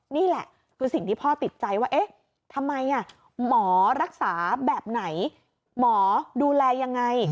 นี่แหละคือสิ่งที่พ่อติดใจว่าเอ๊ะทำไมหมอรักษาแบบไหนหมอดูแลยังไง